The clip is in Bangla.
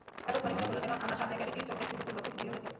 এতক্ষণে মনে হলো যেন আমার সামনের গাড়িটি চলতে শুরু করল খুবই ধীর গতিতে।